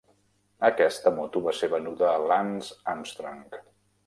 Aquesta moto va ser venuda a Lance Armstrong.